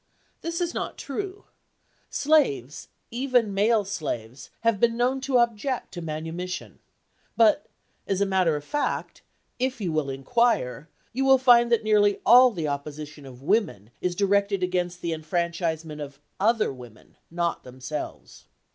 This is not true. Slaves, even male slaves, have been known to object to manumission. But, as a matter of fact, if you will inquire, you will find that nearly all the opposition of women is directed against the enfranchisement of other women, not themselves.